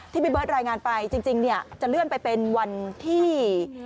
ที่พิเบิร์ตรายงานไปจริงจะเลื่อนไปเป็นวันที่๒๒